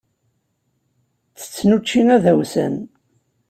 Ttetten učči adawsan.